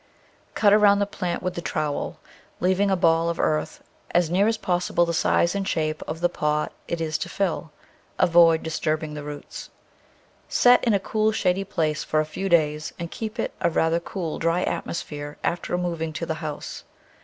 Cut around the plant with the trowel, leaving a ball of earth as near as possible the size and shape of the pot it is to fill. Avoid disturbing the roots. Set in a cool, shady place for a few days and keep in a rather cool, dry atmosphere after removing to the house.